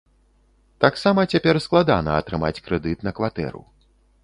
Таксама цяпер складана атрымаць крэдыт на кватэру.